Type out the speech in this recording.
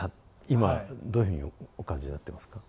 今どういうふうにお感じになってますか？